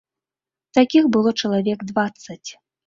Такіх было чалавек дваццаць.